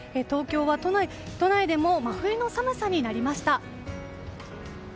東京は都内でも真冬の寒さになりました。